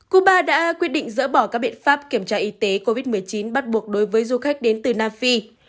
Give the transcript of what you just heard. cuba đã quyết định dỡ bỏ các biện pháp kiểm tra y tế covid một mươi chín bắt buộc đối với du khách đến từ nam phi